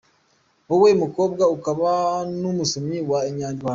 Wowe mukobwa, ukaba n’umusomyi wa Inyarwanda.